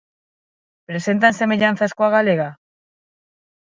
Presentan semellanzas coa galega?